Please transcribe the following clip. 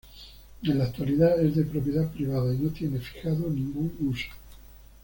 En la actualidad es de propiedad privada y no tiene fijado ningún uso.